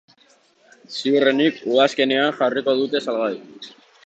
Ziurrenik, udazkenean jarriko dute salgai.